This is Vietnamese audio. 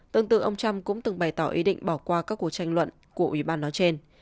tương tự ông trump cũng từng bày tỏ ý định bỏ qua các cuộc tranh luận của ủy ban nói trên